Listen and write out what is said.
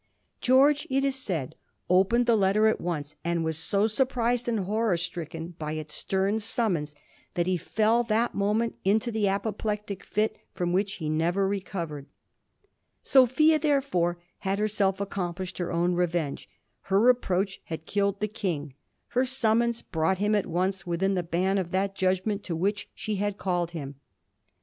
George, it is said, opened the letter at once, aud was so surprised and horror stricken by its stem summons that he fell that moment into the apoplectic fit from which he never recovered. Sophia, therefore, had herself accomplished her own revenge ; her reproach had killed the King ; her summons brought him at once within the ban of that judgment to which she had called him.